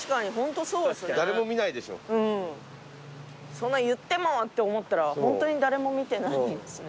そんな言ってもって思ったらホントに誰も見てないんですね。